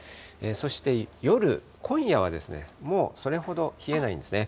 そして夜、今夜はですね、もうそれほど冷えないんですね。